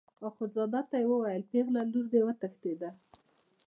اخندزاده ته یې وویل پېغله لور دې وتښتېده.